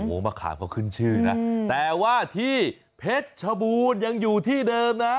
โอ้โหมะขามก็ขึ้นชื่อนะแต่ว่าที่เพชรชบูรณ์ยังอยู่ที่เดิมนะ